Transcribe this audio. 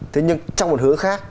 thế nhưng trong một hướng khác